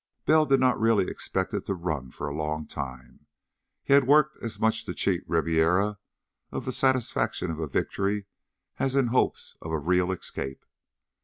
Bell did not really expect it to run for a long time. He had worked as much to cheat Ribiera of the satisfaction of a victory as in hopes of a real escape.